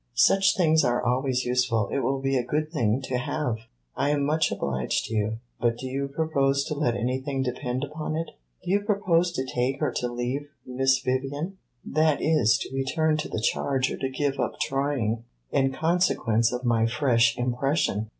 "Such things are always useful. It will be a good thing to have." "I am much obliged to you; but do you propose to let anything depend upon it? Do you propose to take or to leave Miss Vivian that is, to return to the charge or to give up trying in consequence of my fresh impression?"